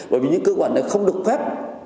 bởi vì những cơ quan này không được phép